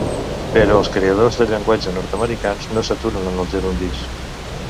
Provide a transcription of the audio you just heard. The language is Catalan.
Però els creadors de llenguatge nord-americans no s'aturen en els gerundis.